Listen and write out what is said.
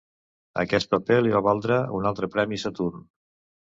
Aquest paper li va valdre un altre Premi Saturn.